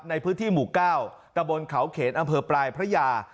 ในพื้นที่หมู่๙ตะบนเขาเขนอำเภอปลายพระยา